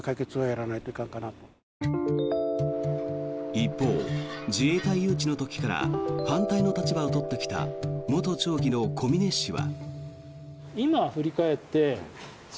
一方、自衛隊誘致の時から反対の立場を取ってきた元町議の小嶺氏は。